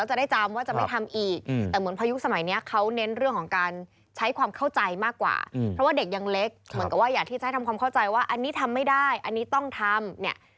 ใช้ความเข้าใจมากกว่าเพราะว่าเด็กยังเล็กเหมือนกับว่าอยากที่จะให้ทำความเข้าใจว่าอันนี้ทำไม่ได้อันนี้ต้องทำ